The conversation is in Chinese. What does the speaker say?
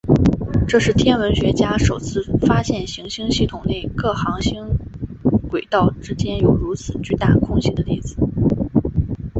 这是天文学家首次发现行星系统内各行星轨道之间有如此巨大空隙的例子。